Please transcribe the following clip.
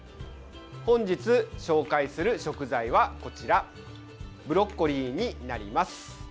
本日、紹介する食材はこちらブロッコリーになります。